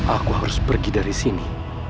aku harus pergi dari sini